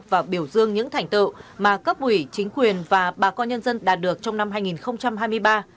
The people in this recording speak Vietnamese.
và biểu dương những thành tựu mà cấp ủy chính quyền và bà con nhân dân đạt được trong năm hai nghìn hai mươi ba